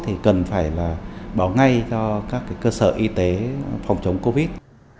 thì cần phải là báo ngay cho các cơ sở y tế phòng chống covid